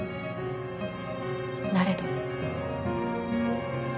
なれど。